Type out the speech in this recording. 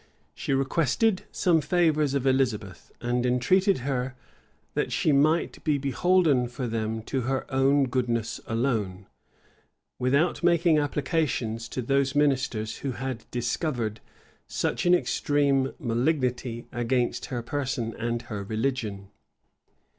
She requested some favors of Elizabeth; and entreated her that she might be beholden for them to her own goodness alone, without making applications to those ministers who had discovered such an extreme malignity against her person and her religion.